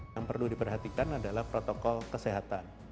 yang perlu diperhatikan adalah protokol kesehatan